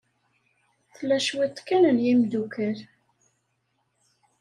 Tla cwiṭ kan n yimeddukal.